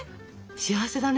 幸せだね。